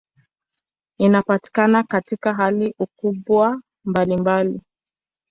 Inapatikana katika hali na ukubwa mbalimbali.